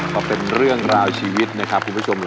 ก็เป็นเรื่องราวชีวิตนะครับคุณผู้ชม